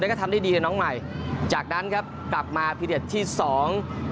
แล้วก็ทำได้ดีกับน้องใหม่จากนั้นครับกลับมาพีเด็ดที่สอง